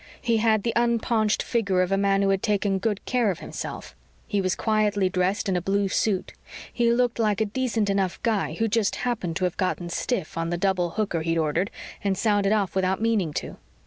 He had the unpaunched figure of a man who had taken good care of himself; he was quietly dressed in a blue suit; he looked like a decent enough guy who just happened to have gotten stiff on the double hooker he'd ordered and sounded off without meaning to.